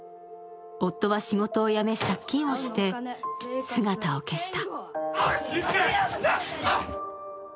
夫は仕事を辞め、借金をして姿を消した。